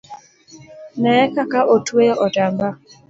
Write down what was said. Neye kaka otweyo otamba